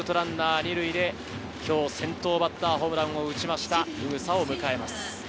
２塁で今日先頭バッターホームランを打ちました、宇草を迎えます。